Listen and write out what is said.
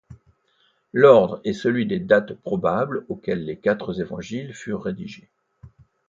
L'ordre est celui des dates probables auxquelles les quatre Évangiles furent rédigés.